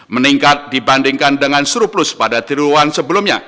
meningkat dibandingkan dengan surplus pada tiruan sebelumnya